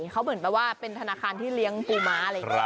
เขาเหมือนกับว่าเป็นธนาคารที่เลี้ยงปูม้าเลย